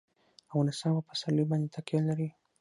افغانستان په پسرلی باندې تکیه لري.